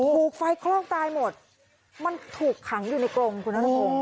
ถูกไฟคลอกตายหมดมันถูกขังอยู่ในกลงคุณธนตรงโอ้โห